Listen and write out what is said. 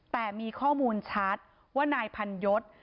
แต่มีข้อมูลชัดว่านายพันยศ